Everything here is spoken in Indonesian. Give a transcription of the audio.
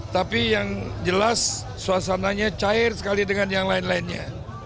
tapi yang jelas suasananya cair sekali dengan yang lain lainnya